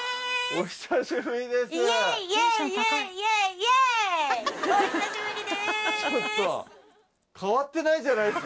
お久しぶりです！